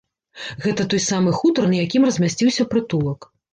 Гэта той самы хутар, на якім размясціўся прытулак.